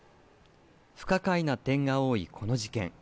不可解な点が多いこの事件。